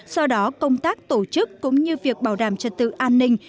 do đó công tác tổ chức cũng như việc bảo đảm trật tự an ninh